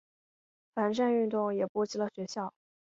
反战运动也波及了学校。